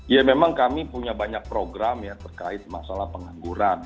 ya memang kami punya banyak program ya terkait masalah pengangguran